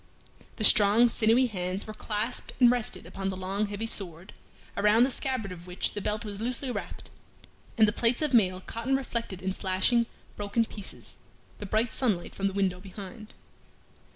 The strong, sinewy hands were clasped and rested upon the long heavy sword, around the scabbard of which the belt was loosely wrapped, and the plates of mail caught and reflected in flashing, broken pieces, the bright sunlight from the window behind.